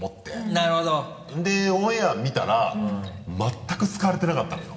なるほど！でオンエア見たら全く使われてなかったのよ